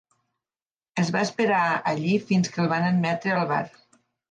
Es va esperar allí fins que el van admetre al bar.